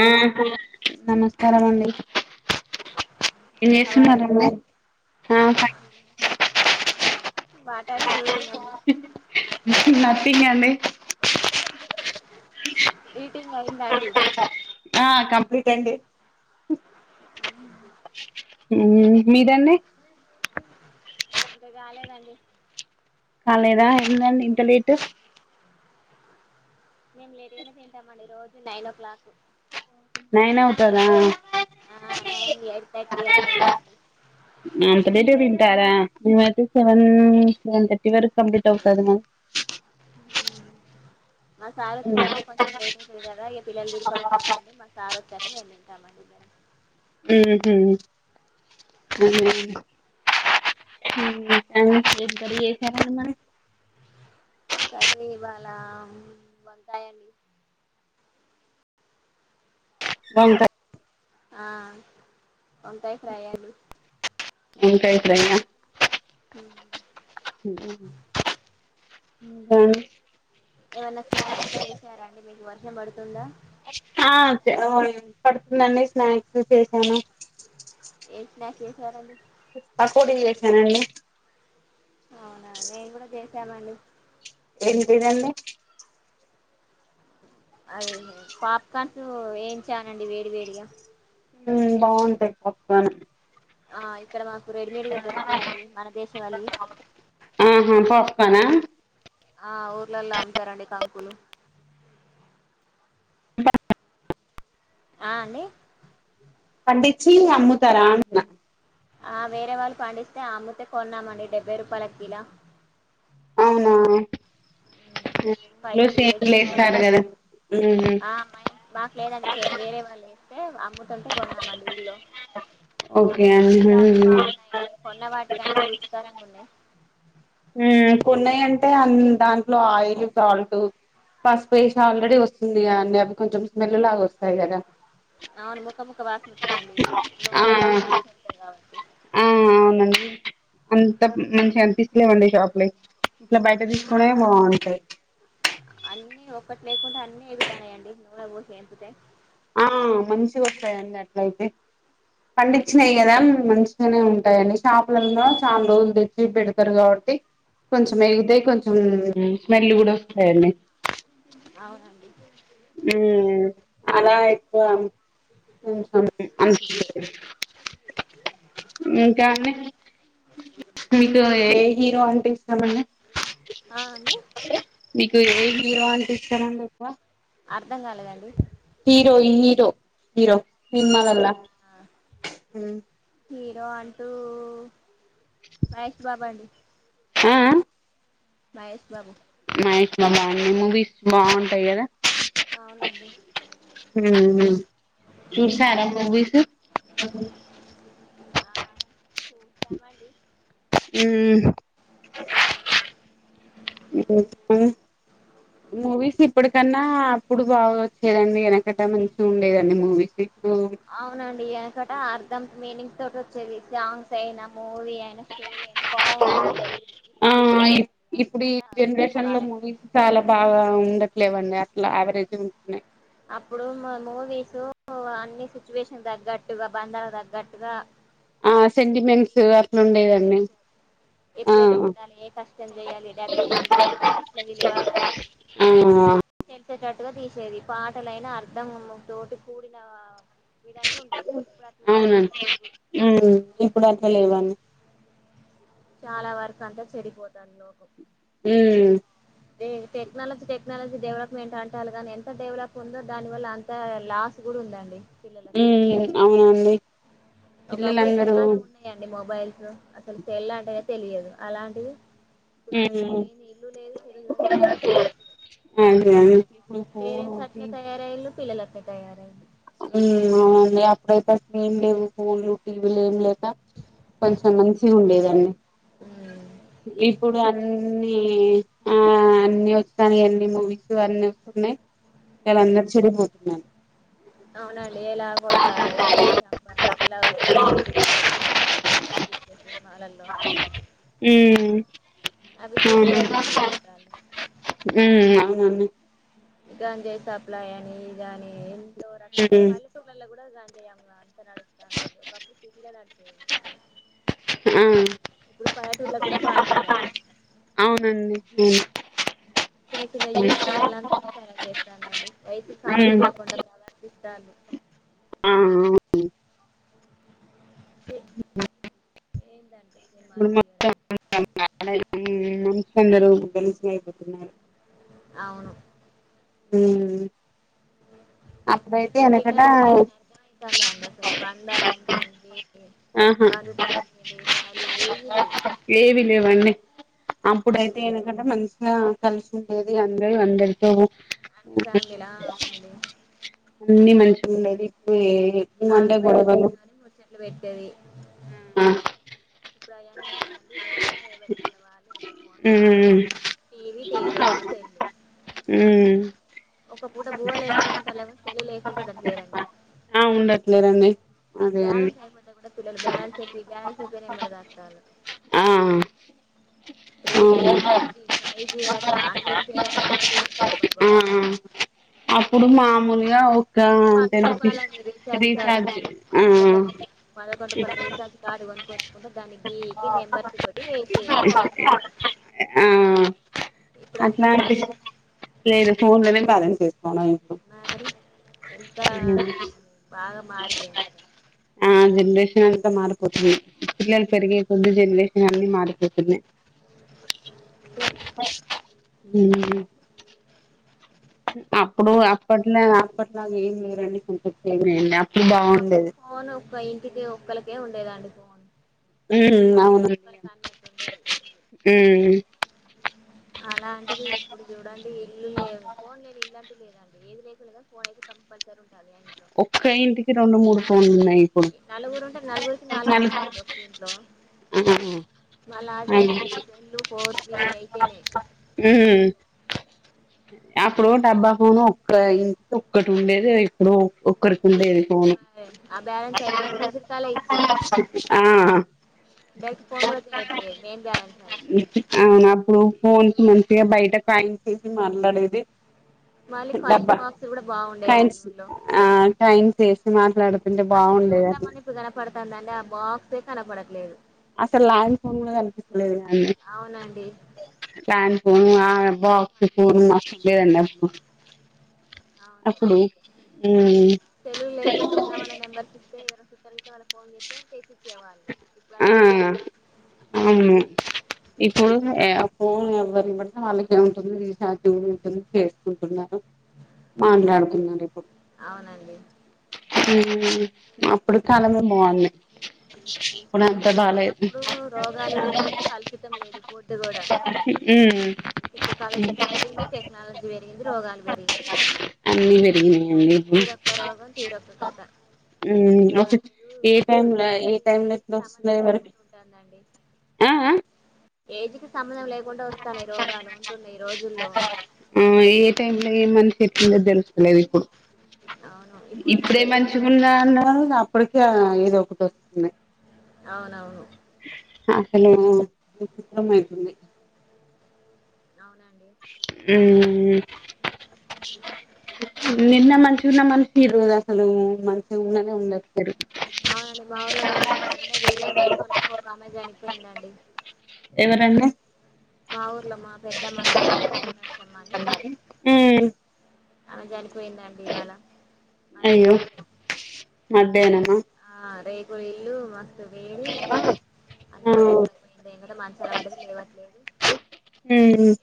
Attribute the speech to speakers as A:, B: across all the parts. A: ఆ
B: అండి
A: నమస్కారం అండి. ఏం
B: హౌ ఆర్
A: చేస్తున్నారు.
B: You what are you doing. అండి
A: నథింగ్ అండి.
B: ఈటింగ్ అయిందా అండి.
A: ఆ కంప్లీట్ అండి. హ్మ్మ్ మీరండి.
B: ఇంకా గాలేదండి.
A: కాలేదా ఎందండి ఇంతా లేట్.
B: మేము లేట్గానే తింటాంమండి రోజు నైన్ ఓ క్లాక్.
A: నైన్ అవుతారా.
B: ఇయా ఫైదర్ అండి.
A: నా అంతా లేట్ గా తిటారా అయితే సెవన్ సెవెన్ తర్టీ వరకు కంప్లీట్ అవుతది మా.
B: మా సార్ ఓచ్చేసరికి
A: మాది
B: కొంచెం లేట్ అయితది గదా, ఇగా పిల్లలు దినీ పడుకుంటారారండి. మా సార్ ఓచ్చాక మేము తింటామండి. ఇద్దరం
A: హుమ్మ్ హు, ఉమ్ ఉమ్ [inaudible] ఏం కర్రీ చేసినావ్ [inaudible]
B: సర్లే ఇవాళ వంకాయండి.
A: వంకాయ్
B: ఆ వంకాయ్ ఫ్రై అండి.
A: వంకాయ్ ఫ్రై ఆ
B: ఉమ్
A: ఉమ్
B: ఏవన్నా స్నాక్స్ గిట్ల చేసారా అండి, మీకు వర్షం బడుతుందా.
A: ఆ [unintelligible] పడుతుందండి, స్నాక్స్ చేసాను.
B: ఏ స్నాక్ చేసారండి.
A: పకోడీ చేశానండి.
B: అవునా నేను కూడా చేసామండి.
A: ఏంటిదండి.
B: అదే పాప్కార్న్స్ వేయించనండి వేడి, వేడిగా.
A: ఉమ్ బావుంటాయి పాప్కార్న్.
B: ఆ ఇక్కడ మాకు రెడీమేడ్గా దొరుకుతుదండి, మన దేశవాళి.
A: పనా
B: ఆ ఊర్లల్లో అమ్ముతారండి కంకులు.
A: [unintelligible]
B: ఆ అండి
A: పండిచ్చీ అమ్ముతరా అంటున్న.
B: ఆ వేరే వాళ్ళు పండిస్తే, అమ్ముతే కొన్నామండి డెబ్బై రూపాయలక్ కిల.
A: అవునా, ఊర్లో
B: ఫైవ్
A: చేన్లు
B: కేజీస్
A: ఎస్తారు
B: కొన్నాం
A: గదా.
B: ఆ మా ఇన్ మాకు లేదండి చేను, వేరే వాళ్ళు ఎస్తే అమ్ముతుంటే కొన్నామ్ అండి ఊళ్ళో.
A: ఓకే అండి
B: చాలా బాగున్నాయండి, కొన్న వాటికంటే రుచికరంగా ఉన్నాయి.
A: ఉమ్ కొన్నాయంటే అన్ దాంట్లో ఆయిల్, సాల్ట్ పసుపు ఏసీ ఆల్రెడీ వస్తుంది కదండీ, అవి కొంచెం స్మెల్ లాగా వస్తాయి గదా.
B: అవును ముక్క, ముక్క వాసనా వస్తాదండి,
A: ఆ
B: నూనె పసుపు ఏషి వస్తది కాబట్టి.
A: ఆ అవునండి, అంత మంచిగా అనిపిస్త్ లేవండి షాప్ లై, ఇట్లా బయట తీసుకున్నాయే బాగుంటాయి.
B: అన్నీ ఒక్కటి లేకుంటే అన్నీ ఏగుతాన్నాయండి నూల పోసి ఎంపితే.
A: ఆ మంచి గోస్తాయండి అట్లయితే. పండించినాయి కదా మంచిగానే ఉంటాయండి, షాపులల్లో చాలా రోజులు తెచ్చి పెడతారు కాబట్ ట్టి కొంచెం ఏగుతాయి, కొంచెం స్మెల్ గుడా ఓస్తాయండి.
B: అవునండి
A: ఉమ్మ్ అలా ఎక్కువ [unintelligible] ఇంకా అండి మీకు ఏ హీరో అంటే ఇష్టమండి.
B: ఆ అండి
A: మీకు ఏ హీరో అంటే ఇష్టమండి ఎక్కువ.
B: అర్ధంగాలేదండి.
A: హీరో హీరో హీరో సినిమాలల్లా
B: హీరో అంటూ మహేష్ బాబు అండి
A: ఆఆ
B: మహేష్ బాబు
A: మహేష్ బాబు మూవీస్ బాగుంటాయి కదా
B: అవునండి
A: చూసారా మూవీసు
B: ఆ చూసమండి
A: అ మూవీస్ ఇప్పటికన్నా అప్పుడు బాగా వచ్చేదండి వెనకట మంచిగా ఉండేదండి మూవీస్ ఇప్పుడు
B: అవునండి వెనుకట అర్ధం మీనింగ్ తోటి వచ్చేది సాంగ్స్ అయినా మూవీ అయినా స్టోరీ అయినా బాగుంటది మీనింగ్
A: ఆ
B: ఇప్పుడు ఏమి
A: ఆ
B: లేదండి
A: ఇప్పుడు ఈ
B: అంతా
A: జనరేషన్ లో
B: బాలే
A: మూవీస్ చాలా బాగా ఉన్ లేవండి అట్లా యావరేజ్ ఉంటున్నాయి
B: అప్పుడు మూ వీసు ఎక్కువ అన్ని సిచ్యువేషన్ తగ్గట్టుగా బంధాలకు తగ్గట్టుగా
A: ఆ
B: పరిస్థితిని బట్టి
A: సెంటిమెంట్స్ అట్లా ఉండేదండి
B: సెంటిమెంట్స్
A: ఆ
B: ఎప్పుడు ఎట్ల ఉండాలి ఏ కష్టం చేయాలి డబ్బి విలువ మనుషుల విలువ
A: ఆ
B: ఇచ్చేటట్టుగా తీసేది పాటలైనా అర్ధం తోటి కూడిన విధంగా ఉండేది ఇప్పుడు అట్లున్నాయంటే
A: అవునండి
B: లేవు
A: ఇప్పుడు అట్లా లేవాన్ని
B: చాలా వరకు అంతా చెడిపోతాన్లు లోకం
A: మ్మ్
B: టెక్నాలజీ టెక్నాలజీ డెవలప్మెంట్ అంటాలు కానీ ఎంత ఎంత డెవలప్ ఉందో దాని వల్ల అంత లాస్ కూడా ఉందండి
A: ఉ
B: పిల్లలకు
A: అవునండి
B: ఒకప్పుడు
A: పిల్లలందరూ
B: ఇంతగానం ఉన్నాయండి మొబైల్స్ అసలు సేల్ అంటేగా తెలియదు అలాంటివి ఇప్పుడు సెల్లు
A: ఉమ్
B: లేని ఇల్లు లేదు సెల్లులు పిల్లలు లేరు
A: అంతే అండి
B: అట్లా తయారై
A: అవునండి అప్పుడైతే అసలు ఏం లేవు ఫోన్లు టీవీలు ఏం లేక కొంచెం మంచిగా ఉండేదాన్ని ఇప్పుడు అన్ని అన్ని ఆ అన్ని వస్తాన్నయి అన్ని మూవీస్ అన్ని వస్తున్నాయి ఇగ వాళ అందరు చెడిపోతున్నారు
B: అవునండి ఎలా కొట్టాలి ఎలా చంపాలి ఎలా వదిలేయాలి అన్ని క్రైమ్సు
A: మ్మ్
B: అవి చూసి బయట
A: అవును
B: నేర్చుకుంటాళ్ళు
A: ఉమ్ అవునన్న
B: గంజాయి సప్లాయ్ అని ఇదనీ ఎంతో రకాల
A: ఉమ్
B: పల్లెటూర్లల కూడా గంజాయి నడుస్తాదండి ఒకప్పుడు సిటీల
A: ఆ
B: ఇప్పుడు పల్లెటూర్లకి కూడా పాకింది అది
A: అవునండి
B: చిన్న చిన్న
A: ఉమ్
B: యూత్ పిల్లలంతా చాలా చేస్తలండి వయసుకి సంబంధం లేకుండా ఇత్తాను
A: ఆ [inaudible]
B: ఏంటండి నిమాళ్ దీయడం
A: నా [inaudible] అందరు తెలుసిన ఐపోతున్నారు
B: అవును
A: ఉమ్ అప్పుడైతే
B: ఇప్పుడు
A: ఎనకట
B: పిల్లలకి ఏమన్నా అర్థం అయితాందా అండి అసలు బందాలంటే ఏంటి
A: ఆహా
B: బాధ్యతలు అంటే వాల్యూ ఏవీ లేవ్
A: ఏవి లేవండి అప్పుడైతే ఎందుకంటే మంచిగా కలిసి ఉండేది అందరు అందరితో
B: అన్ని ఫ్యామిలీలా అవునండి
A: అన్ని మంచిగా ఉండది ఇప్పుడు ఏ
B: ఆరు బయట కూర్చొని ముచ్చట్లు పెట్టేది
A: ఉమ్ ఆ
B: ఇప్పుడు అవన్నీ ఉన్నాయా అండి ఏవైనా ఏ బది వాళ్ళి ఏవరు ఫోన్ లో వాళ్ళు
A: ఉమ్
B: టీవీ టీవీ కాక్పోతే సెల్లు
A: హ్ము్
B: ఒక పూట బువ్వ లేకుండా ఉంటాళ్ళుమొ సెల్లు లేకుండా ఉండట్లేరండి
A: లేదనే
B: బ్యాలెన్స్ అయిపోతే కూడా పిల్లలు బ్యాలెన్స్ ఏపి బ్యాలెన్స్ ఏపి ఎమ్మట కాత్తాండ్రు
A: ఆ
B: త్రీ జి,
A: అవును
B: ఫోర్ జి, ఫైవ్ జి, అట ఆన్లిమిటెడ్ అంట నెట్టు అబ్బాబ్బా
A: ఆ అప్పుడు మామూల్గా ఒక
B: పది
A: టెన్ రుపీస్
B: రూపాయలండి
A: రీచార్జ్ ఆ
B: పదకొండ్రుపాల్ రీచార్జ్ కార్డ్ కొనుకొచ్చుకుంటే దాన్ని గీ ఈ నెంబర్ బడి ఏసేది ఫోన్ లో బాలెన్స్
A: ఆ అట్లాంటి లేదు ఫోన్ లోనే బాలెన్స్
B: మరి ఎంతా ఉమ్ బాగా మారిపోయింది అసల్
A: ఆ జనరేషన్ అంతా మారిపోతుంది, పిల్లల్ పెరిగే కొద్ది జనరేషన్ అన్నీ మారిపోతున్నాయి
B: సె
A: ఉమ్ అప్పుడు అప్పట్లో అప్పట్లాగ ఏం లేరండి కొంచెం చె
B: ఒకప్పు ఫోన్ ఒక్క ఇంటికి ఒక్కలకే ఉండేదండి ఫోన్
A: ఉమ్ అవును
B: వాడకొక్కరికి అన్నట్టు ఉండేది
A: ఉమ్
B: అలాంటిది ఇప్పుడు చూడండి ఇల్లు లేన్ ఫోన్ లేని ఇల్లంట్ టు లేదండి ఏది లేకున్నా ఫోన్ అయితే కంపల్సరీ ఉంట
A: ఒక్క ఇం ఇంటికి రెండు మూడు ఫోన్లు ఉన్నాయి ఇప్పుడు
B: నలుగురు ఉంటే నలుగురికి నాలుగు ఫోన్లు
A: ఆ
B: మళ్ళా అదే ట
A: ఉమ్
B: సెల్లు ఫోర్ జీ అయితేనే
A: అప్పుడు డబ్బా ఫోను ఒక్క ఇంటి ఒక్కటి ఉండేది ఇప్పుడు ఒక్కరికి ఉండేది
B: ఆ బ్యాలెన్స్ అయిపోదని మిస్డ్ కాలే ఇచ్చేది
A: ఆ
B: డైరెక్ట్ ఫోన్ కూడా చెయ్యకపోయేది మెయిన్ బాలెన్స్ అని
A: ఇప్పుడు ఫోన్స్ మంచిగా బయట కాయిన్ చేసి మాట్లాడేది
B: మళ్ళీ
A: డబ్బా
B: కాయిన్స్ బాక్స్ కూడా బాగుండేదండి ఊళ్లో
A: అంటే ఆయనకీ వచేసి మాట్లాడు
B: అసలు చూద్దాంమని ఇప్పుడు కనపడతుందండి ఆ బాక్సే కనపడట్లేదు
A: అసలు ల్యాన్డ్ కూడా కనిపించడం లేదు అండి
B: అవునండి
A: పో ఆ
B: రూపాయి వేసి
A: బాక్స్ పూరు
B: మాట్లాడేది
A: మాచిపోయారు
B: అవును
A: మ్మ్
B: తెలవు లేయికుంట ఉన్నవళ నంబర్స్ ఇస్తే ఇక వాళ్ళ ఫోన్ చేస్తే చేసి ఇచ్చేవాళ్ళు ఇప్పుడు అట్లుంటా
A: ఉమ్ ఇప్పుడు ఆ ఫోన్ ఎవరిబడితే వాళ్ళక ఉంటుంది రీఛార్జ్ ఉంటుంది చేసుకుంటున్నారు మాట్లాడుతున్నారు ఇప్పుడు
B: అవునండి
A: అప్పుడు కాలమే బావ్వుంది ఇప్పుడు అంత బాలలేదు
B: అప్పుడు రోగాలు లేవు కలుషితం లేదు ఫుడ్ కూడా
A: ఉమ్
B: ఇప్పుడు కలుషితం పెరిగింది టెక్నాలజీ పెరిగింది రోగాలు పెరిగింది
A: అన్ని పెరిగినాయండి
B: తీరొక్క రగం తీరొక్క కథ చిన్న
A: ఉమ్
B: పిల్లలని లేదు
A: ఏ టైమ్
B: పెద్దోళ్ళని
A: లో ఏ
B: లేదు
A: టైమ్ లో
B: ఏజ్కి
A: ఎట్లా
B: సంబంధం
A: వస్తున్నాయి ఎవరికి
B: లేకుండా
A: ఆ ఆ
B: ఏజ్ కి సంబంధం లేకుండా వస్తాను రోగాలు ఈ రోజుల్లో
A: ఆ చెటింద తెలుసులేవి
B: అవును ఇప్పుడున్న
A: ఇప్పుడే మంచిగా
B: రేపొద్దుగాల
A: ఉన్నా అన్నారు అప్పటికే ఏద ఒకటి వస్తుంది
B: అవునవును
A: హలోంది
B: అవునండి
A: ఉ నిన్న మంచిగా ఉన్న ఈరోజు అసలు మంచిగా ఉన్ననే ఉండదు
B: అవునండి మా ఊలో కూడా వెలా ఎండే వేడికి తట్టుకోలేక ఒక అమెజ చనిపోయిందండి
A: ఎవరండీ
B: మా ఊర్లో మా పెద్దమ్మ అ టైకి రావ నర్చమ్మా అని
A: ఉమ్
B: అమె చనిపోయిందండి ఇవాళ
A: అయ్యో
B: మధ్యాహ్నం
A: మధ్యాహ్నమా
B: ఇప్పు ఇల్లు మస్తు బీ అన్న
A: ఆ
B: రేట్ పకుపోయింది ఏం కదా మనిషి అలవాడది లేవట్లేదు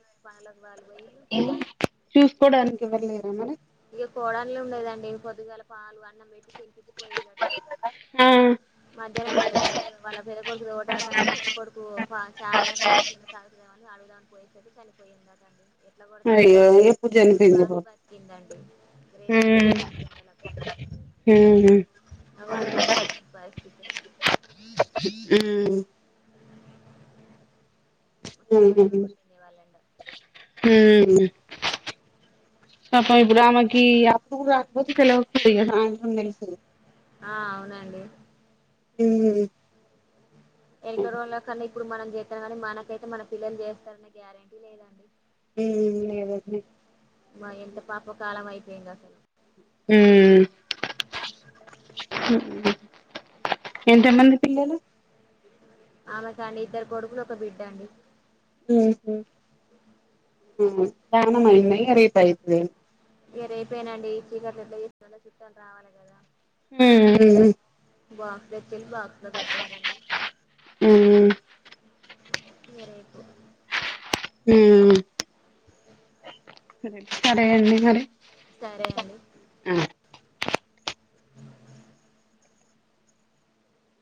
B: ఎవరి పనులకు వాళ్ళు పోయిళ్ళు
A: చూసుకోడానికి ఇవ్వర్లేరా మరి
B: కోడలు ఉండదండి పొద్దుగాల పాలు అన్నం పెట్టి తనిపించిపోయయిళ్లట
A: ఆ
B: మధ్యాహ్నం పెద కొడుకు వాళ్ళ పెదకొడుకు టాటాను పిద కొడుకు చాయ మంచి చదుగుతామ అని అడుదామని పోసి చలిపోయిందటండి ఎట్లా కొడతానేండి
A: అయ్యో ఎప్పుడు
B: ఇన్ని రోజులు
A: చనిపోయింది
B: బానే బతికిందండి గ్రేట్ అనుకోవాలి ఈ ఎండలకు
A: ఉ
B: అవ అట్లాం బా ఇ
A: ఉ
B: మస్తు గొరంగా కొట్టింది ఇవాళ ఎండ
A: ఉ తప్ప ఆమెకి అప్పటికి రాకపోతే పిల్లవకి సాయంత్రం తెలిసేది
B: ఆ అవునండి
A: ఉ
B: ఎలాంటి వాళ్లకు అన్న కన్నా ఇప్పుడు మనం చేస్తాం కానీ మనకైతే మన పిల్లలు చేస్తారనే గ్యారెంటీ లేదండి
A: ఎం లేదండి
B: మా ఎంత పాపపు కాాలమైపోయిందసలు
A: మ్ ఎంతమంది పిల్లలు
B: అమె కాండి ఇద్దరు కొడుకులు ఒక బిడ్డ అండి
A: మ్ హు మ్ దానమైదా ఇగ రేపైతది
B: ఇగ రేపేనండి చీకట్ల ఎట్ల చేస్తారు చుట్టలు రావాలే కదా
A: మ్ మ్
B: బాస్లెట్టి బాక్స్ లో పెట్టారండి
A: మ్
B: ఇగ రేపు
A: మ్ సరే సరే అండి మరి
B: సరే అండి
A: ఆ